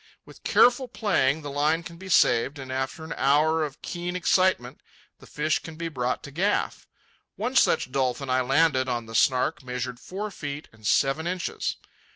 With careful playing the line can be saved, and after an hour of keen excitement the fish can be brought to gaff. One such dolphin I landed on the Snark measured four feet and seven inches.